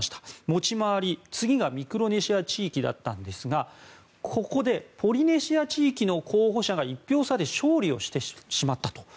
持ち回り、次がミクロネシア地方だったんですがここでポリネシア地域の候補者が１票差で勝利してしまったと。